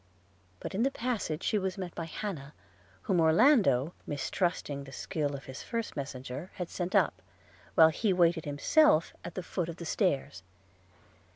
– But in the passage she was met by Hannah, whom Orlando, mistrusting the skill of his first messenger, had sent up, while he waited himself at the foot of the stairs.